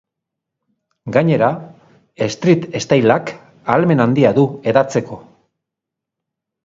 Gainera, street style-ak ahalmen handia du hedatzeko.